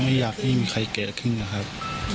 ไม่อยากที่มีใครเกะขึ้นนะครับ